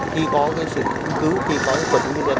khi có những sự cứu khi có những